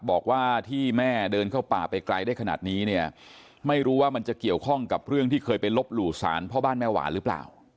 บอกว่าที่แม่เดินเข้าป่าไปไกลได้ขนาดนี้เนี่ยไม่รู้ว่ามันจะเกี่ยวข้องกับเรื่องที่เคยไปลบหลู่สารพ่อบ้านแม่หวานหรือเปล่า